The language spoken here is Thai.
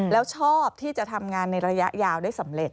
แล้วชอบที่จะทำงานในระยะยาวได้สำเร็จ